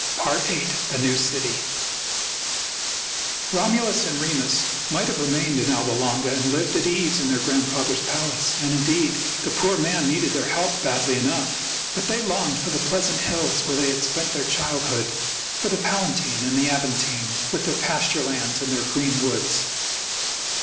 VIII. THE NEW CITY Romulus and Remus might have remained in Alba Longa and lived at ease in their grandfather's palace ; and, indeed, the poor man needed their help badly enough. But they longed for the pleasant hills where they had spent their childhood — for the Palatine and the Aventine, with their pasture lands and their green woods.